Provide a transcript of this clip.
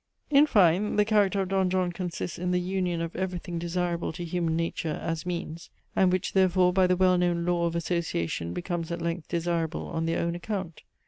In fine the character of Don John consists in the union of every thing desirable to human nature, as means, and which therefore by the well known law of association becomes at length desirable on their own account.